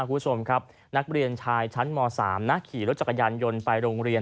คุณผู้ชมครับนักเรียนชายชั้นม๓นะขี่รถจักรยานยนต์ไปโรงเรียน